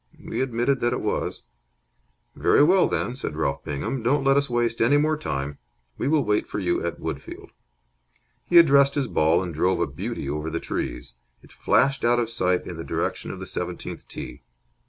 We admitted that it was. "Very well, then," said Ralph Bingham. "Don't let us waste any more time. We will wait for you at Woodfield." He addressed his ball, and drove a beauty over the trees. It flashed out of sight in the direction of the seventeenth tee.